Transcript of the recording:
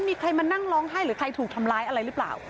มีใครมานั่งร้องไห้หรือใครถูกทำร้ายอะไรหรือเปล่า